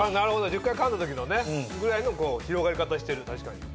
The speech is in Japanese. １０回かんだ時のねぐらいの広がり方してる確かに。